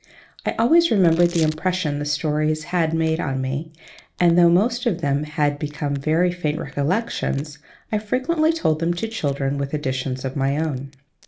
I always remembered the impression the stories had made on me, and, though most of them had become very faint recollections, I frequently told them to children, with additions of my own.